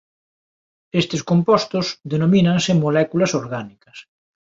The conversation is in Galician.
Estes compostos denomínanse moléculas orgánicas.